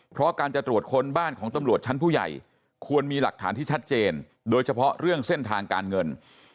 เพราะการจะตรวจค้นบ้านของตำรวจชั้นผู้ใหญ่ควรมีหลักฐานที่ชัดเจนโดยเฉพาะเรื่องเส้นทางการเงิน